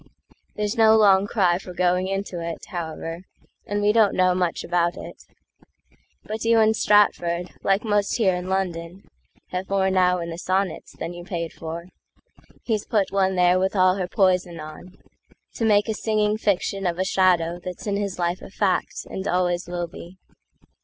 There's no long cry for going into it, However, and we don't know much about it. But you in Stratford, like most here in London, Have more now in the Sonnets than you paid for; He's put one there with all her poison on, To make a singing fiction of a shadowThat's in his life a fact, and always will be.